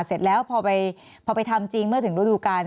เสร็จแล้วพอไปทำจริงเมื่อถึงฤดูกาล